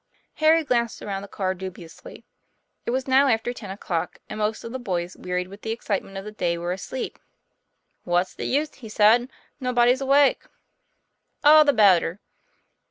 Harry glanced around the car dubiously. It was now after ten o'clock ; and most of the boys, wearied with the excitement of the day, were asleep. "What's the use," he said, "nobody's awake." "All the better."